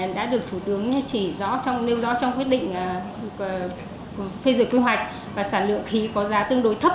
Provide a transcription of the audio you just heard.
đã được thủ tướng nêu rõ trong quyết định phê rửa quy hoạch và sản lượng khí có giá tương đối thấp